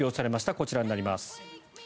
こちらになります。